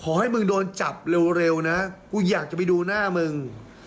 ขอให้มึงโดนจับเร็วนะกูอยากจะไปดูหน้ามึง